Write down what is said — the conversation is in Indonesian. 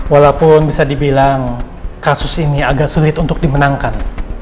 walaupun bisa dibilang kasus ini agak sulit untuk dimenangkan